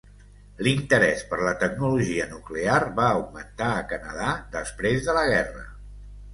L"interès per la tecnologia nuclear va augmentar a Canadà després de la guerra.